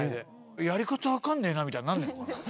やり方分かんねえなみたいになんねえのかな？